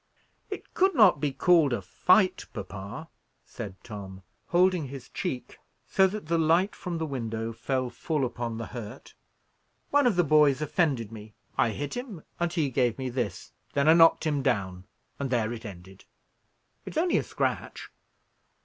"It could not be called a fight, papa," said Tom, holding his cheek so that the light from the window fell full upon the hurt. "One of the boys offended me; I hit him, and he gave me this; then I knocked him down, and there it ended. It's only a scratch."